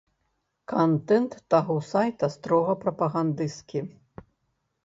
Кантэнт таго сайта строга прапагандысцкі.